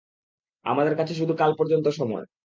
আমাদের কাছে শুধু কাল পর্যন্ত সময়।